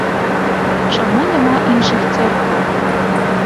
Чаму няма іншых цэркваў?